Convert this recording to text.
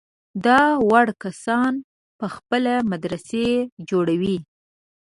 دا وړ کسان په خپله مدرسې جوړوي.